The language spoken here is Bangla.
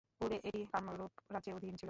পূর্বে এটি কামরুপ রাজ্যের অধীন ছিল।